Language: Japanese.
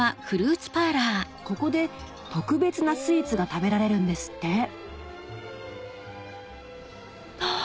ここで特別なスイーツが食べられるんですってはっ！